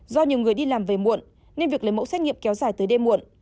do nhiều người đi làm về muộn nên việc lấy mẫu xét nghiệm kéo dài tới đêm muộn